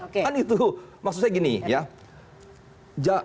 kan itu maksudnya gini ya